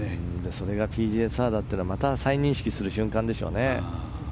それがＰＧＡツアーだったらまた再認識する瞬間ですよね。